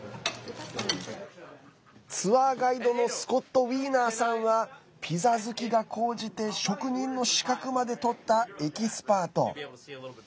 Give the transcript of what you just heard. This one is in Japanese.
ツアーガイドのスコット・ウィーナーさんはピザ好きが高じて職人の資格まで取ったエキスパート。